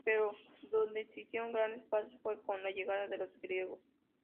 Pero donde se hicieron grandes pasos fue con la llegada de los griegos.